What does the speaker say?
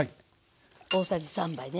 大さじ３杯ね。